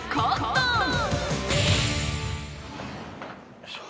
よいしょ。